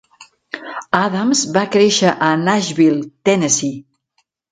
Addams va créixer a Nashville, Tennessee.